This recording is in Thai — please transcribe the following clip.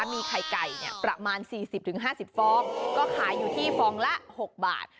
มีไข่ไก่ประมาณ๔๐๕๐ฟองก็ขายอยู่ที่ฟองละ๖บาท